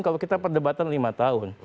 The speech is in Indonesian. kalau kita perdebatan lima tahun